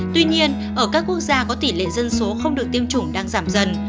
tuy nhiên ở các quốc gia có tỷ lệ dân số không được tiêm chủng đang giảm dần